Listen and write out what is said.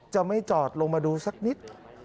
จะไม่จอดลงมาดูสักนิด